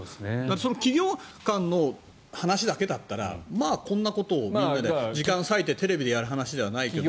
企業間の話だけだったらこんなことみんなで時間を割いてテレビでやる話じゃないけども。